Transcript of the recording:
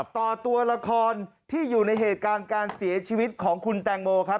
ต่อตัวละครที่อยู่ในเหตุการณ์การเสียชีวิตของคุณแตงโมครับ